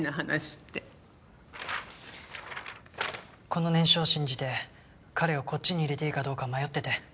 この念書を信じて彼をこっちに入れていいかどうか迷ってて。